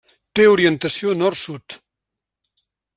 Té orientació nord-sud.